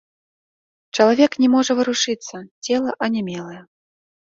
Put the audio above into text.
Чалавек не можа варушыцца, цела анямелае.